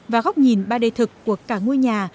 và góc nhìn ba d thực của cả ngôi nhà